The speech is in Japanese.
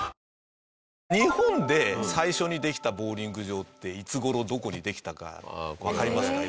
日本で最初にできたボウリング場っていつ頃どこにできたかわかりますか？